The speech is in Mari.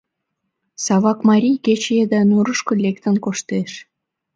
Савак марий кече еда нурышко лектын коштеш.